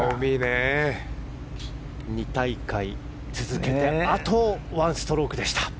２大会続けてあと１ストロークでした。